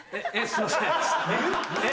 すいません。え？